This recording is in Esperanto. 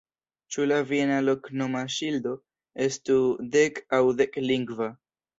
Ĉu la viena loknoma ŝildo estu dek- aŭ dudek-lingva?